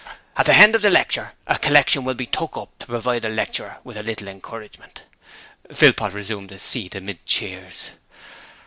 At the hend of the lecture a collection will be took up to provide the lecturer with a little encouragement.' Philpot resumed his seat amid cheers.